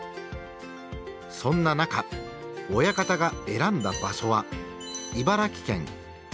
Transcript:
そんな中親方が選んだ場所は茨城県阿見町。